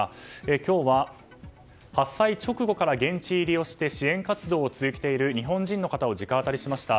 今日は、発災直後から現地入りをして支援活動を続けている日本人の方を直アタリしました。